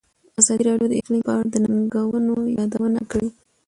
ازادي راډیو د اقلیم په اړه د ننګونو یادونه کړې.